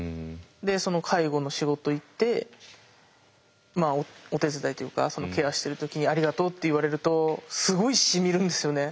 でその介護の仕事行ってお手伝いというかケアしてる時にありがとうって言われるとすごいしみるんですよね。